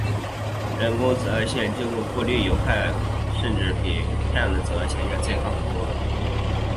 人工紫外线经过过滤掉有害射线后相比直接的太阳紫外线要健康很多。